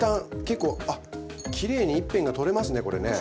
結構あきれいに一片が取れますねこれね。